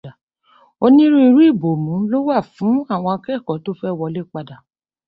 Onírúurú ìbòmú ló wá fún àwọn àkẹ́kọ̀ọ́ tó fẹ́ wọlé padà.